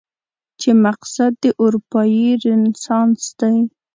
چې مقصد دې اروپايي رنسانس دی؟